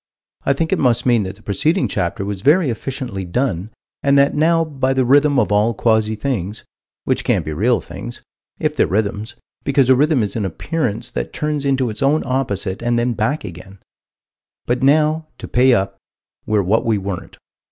I think it must mean that the preceding chapter was very efficiently done, and that now by the rhythm of all quasi things which can't be real things, if they're rhythms, because a rhythm is an appearance that turns into its own opposite and then back again but now, to pay up, we're what we weren't.